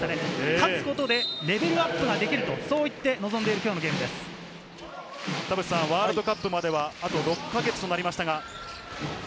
勝つことでレベルアップができる、そう言って臨んでいる今日のゲーワールドカップまであと６か月となりました。